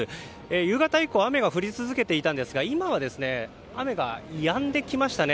夕方以降雨が降り続けていたんですが今は雨がやんできましたね。